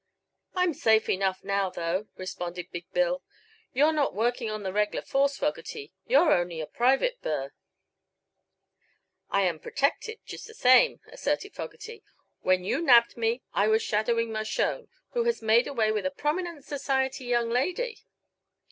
"I'm safe enough now, though," responded Big Bill. "You're not working on the reg'lar force, Fogerty, you're only a private burr." "I am protected, just the same," asserted Fogerty. "When you knabbed me I was shadowing Mershone, who has made away with a prominent society young lady."